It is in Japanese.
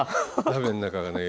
鍋の中がね